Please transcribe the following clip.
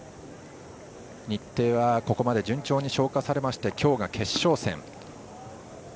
日程はここまで順調に消化されて今日が決勝戦。